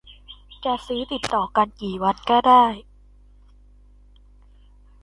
จะซื้อติดต่อกันกี่วันก็ได้